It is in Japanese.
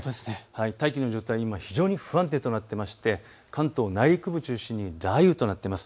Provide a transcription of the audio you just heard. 大気の状態が今、非常に不安定になっていまして関東内陸部を中心に雷雨となっています。